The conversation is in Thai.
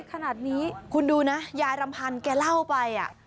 คุณดูนะยายลำพันแกเล่าไป